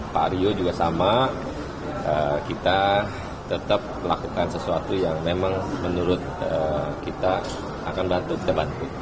pak rio juga sama kita tetap melakukan sesuatu yang memang menurut kita akan bantu kita bantu